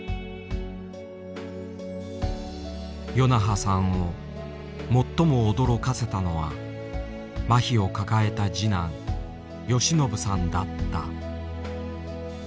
与那覇さんを最も驚かせたのはまひを抱えた次男宜靖さんだった。